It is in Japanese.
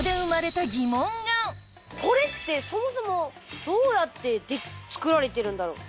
これってそもそもどうやって作られてるんだろう？